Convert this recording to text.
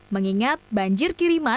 mengingat banjir kiri mari